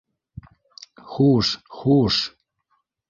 Хуш, хуш.